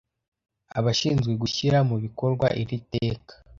abashinzwe gushyira mu bikorwa iri teka